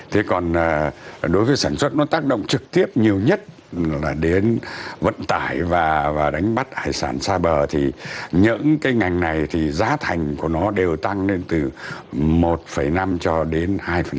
thế còn đối với sản xuất nó tác động trực tiếp nhiều nhất là đến vận tải và đánh bắt hải sản xa bờ thì những cái ngành này thì giá thành của nó đều tăng lên từ một năm cho đến hai